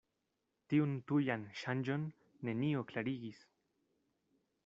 Tiun tujan ŝanĝon nenio klarigis.